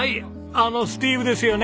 あのスティーヴですよね？